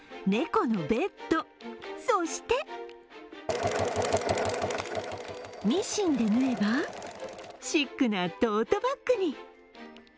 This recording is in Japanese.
猫のベッドそしてミシンで縫えば、シックなトートバッグに。